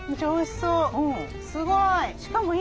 おいしそう。